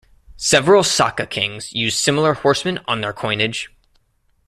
Several Saka kings used similar horsemen on their coinage.